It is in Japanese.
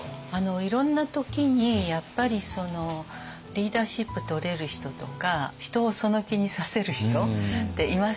いろんな時にやっぱりリーダーシップとれる人とか人をその気にさせる人っていますよね。